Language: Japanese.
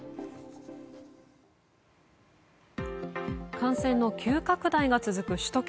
感染の急拡大が続く首都圏。